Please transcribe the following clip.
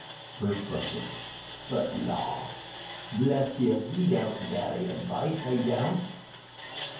1st Rustic. "But, la! bless ye, he don't vally advice, he don't."